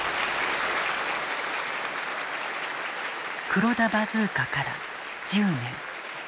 黒田バズーカから１０年。